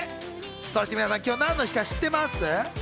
そして皆さん、今日は何の日か知ってます？